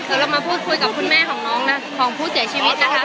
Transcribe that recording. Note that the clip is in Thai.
เดี๋ยวเรามาพูดคุยกับคุณแม่ของน้องนะของผู้เสียชีวิตนะคะ